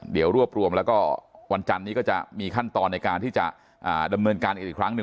เดี๋ยวรวบรวมแล้วก็วันจันนี้ก็จะมีขั้นตอนในการที่จะดำเนินการกันอีกครั้งหนึ่ง